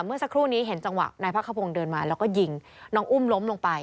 เมื่อสักครู่นี้เห็นจังหวะนายพระขพงศ์เดินมาแล้วก็ยิงน้องอุ้มล้มลงไป